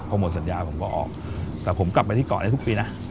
พอหมดสัญญาผมก็ออกแต่ผมกลับไปที่เกาะได้ทุกปีนะ